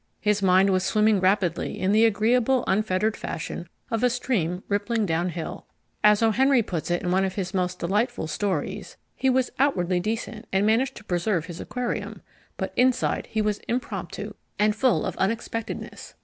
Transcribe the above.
His mind was swimming rapidly in the agreeable, unfettered fashion of a stream rippling downhill. As O. Henry puts it in one of his most delightful stories: "He was outwardly decent and managed to preserve his aquarium, but inside he was impromptu and full of unexpectedness."